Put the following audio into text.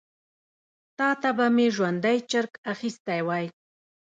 تا ته به مي ژوندی چرګ اخیستی وای .